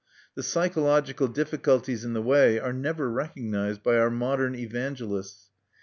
The psychological difficulties in the way are never recognized by our modern evangelists.